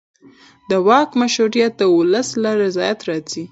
د واک مشروعیت د ولس له رضایت راځي